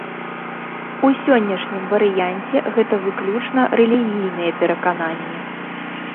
У сённяшнім варыянце гэта выключна рэлігійныя перакананні.